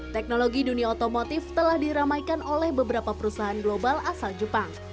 teknologi dunia otomotif telah diramaikan oleh beberapa perusahaan global asal jepang